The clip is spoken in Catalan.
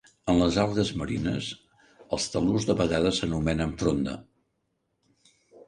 En les algues marines els tal·lus de vegades s'anomenen fronda.